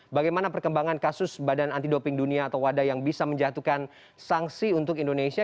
bagaimana perkembangan kasus badan anti doping dunia atau wada yang bisa menjatuhkan sanksi untuk indonesia